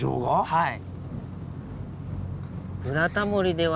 はい！